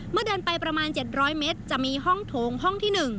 เดินไปประมาณ๗๐๐เมตรจะมีห้องโถงห้องที่๑